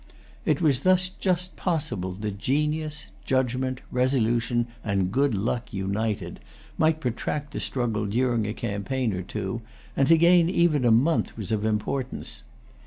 It was thus just possible that genius, judgment, resolution, and good luck united might protract the struggle during a campaign or two; and to gain even a month was of importance.